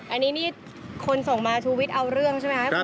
อันนี้นี่คนส่งมาชูวิทย์เอาเรื่องใช่ไหมครับ